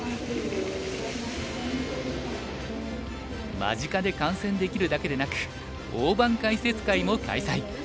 間近で観戦できるだけでなく大盤解説会も開催。